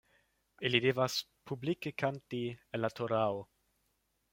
Ili devas publike kanti el la torao.